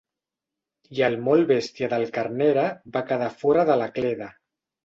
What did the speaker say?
I el molt bèstia del Carnera va quedar fora de la cleda.